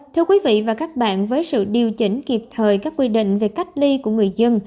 thưa quý vị và các bạn với sự điều chỉnh kịp thời các quy định về cách ly của người dân